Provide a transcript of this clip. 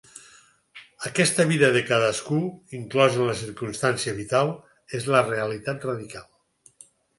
Aquesta vida de cadascú, inclosa la circumstància vital, és la realitat radical.